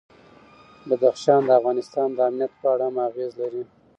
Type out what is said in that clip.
بدخشان د افغانستان د امنیت په اړه هم اغېز لري.